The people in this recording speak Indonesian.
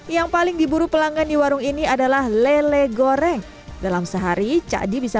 yang paling diburu pelanggan di warung ini adalah lele goreng dalam sehari cakdi bisa